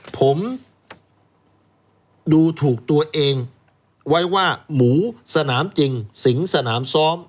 ผมดูถูกตัวเองไว้ว่าหมูสนามจริงสิงสนามซ้อม